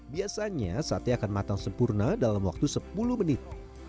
biasanya sate akan matang sempurna dalam waktu sepuluh menit